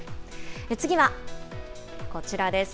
次はこちらです。